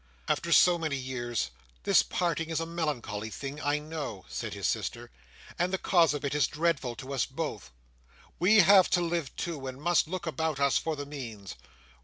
"After so many years, this parting is a melancholy thing, I know," said his sister, "and the cause of it is dreadful to us both. We have to live, too, and must look about us for the means.